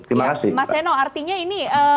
terima kasih mas eno artinya ini